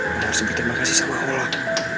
kita harus berterima kasih sama allah